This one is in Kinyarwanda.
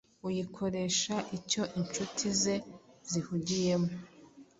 uyikoresha icyo inshuti ze zihugiyemo